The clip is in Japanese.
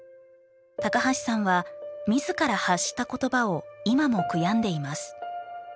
高橋さんは自ら発した言葉を今も悔やんでいます。